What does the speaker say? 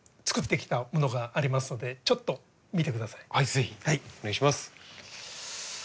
ぜひお願いします。